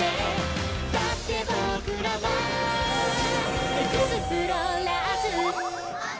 「だって僕らは」「エクスプローラーズ！！」